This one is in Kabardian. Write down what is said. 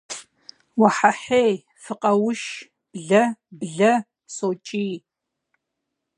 - Уэхьэхьей! Фыкъэуш! Блэ! Блэ! - сокӀий.